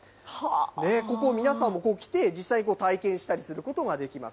ここ、皆さんも来て、実際体験したりすることができます。